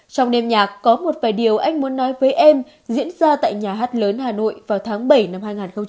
trong đêm nhạc có một vài điều anh muốn nói với em diễn ra tại nhà hát lớn hà nội vào tháng bảy năm hai nghìn hai mươi